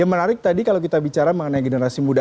yang menarik tadi kalau kita bicara mengenai generasi muda